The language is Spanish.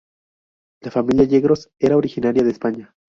La familia Yegros era originaria de España.